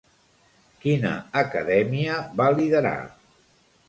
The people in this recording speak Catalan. Quina acadèmia va liderar?